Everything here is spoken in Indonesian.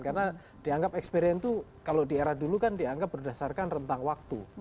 karena dianggap experience itu kalau di era dulu kan dianggap berdasarkan rentang waktu